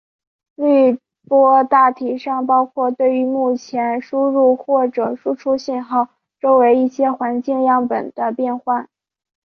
滤波大体上包括对于目前输入或者输出信号周围一些环境样本的变换。